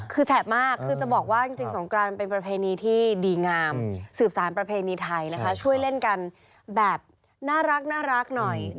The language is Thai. คือแสบมากคือจะบอกว่าจริงสงกรานมันเป็นประเพณีที่ดีงามสืบสารประเพณีไทยนะคะช่วยเล่นกันแบบน่ารักหน่อย